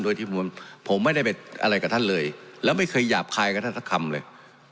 โดยที่ผมไม่ได้ไปอะไรกับท่านเลยแล้วไม่เคยหยาบคายกับท่านสักคำเลย